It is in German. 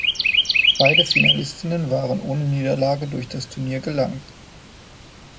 Beide Finalistinnen waren ohne Niederlage durch das Turnier gelangt.